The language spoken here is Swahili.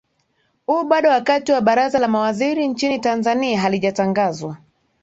u bado wakati baraza la mawaziri nchini tanzania halijatangazwa